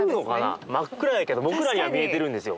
真っ暗やけど僕らには見えてるんですよ。